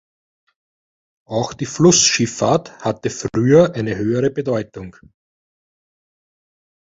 Auch die Flussschifffahrt hatte früher eine höhere Bedeutung.